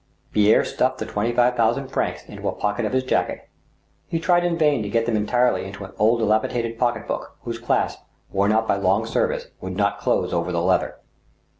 Pierre stuffed the twenty five thousand francs into a pocket of his jacket. He tried in vain to get them entirely into an old dilapi dated pocket book, whose clasp, worn out by long service, would not close over the leather.